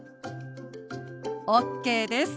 ＯＫです。